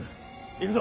行くぞ！